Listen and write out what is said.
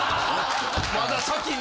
まだ先に。